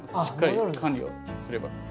しっかり管理をすれば。